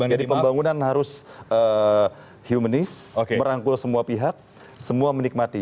jadi pembangunan harus humanis merangkul semua pihak semua menikmati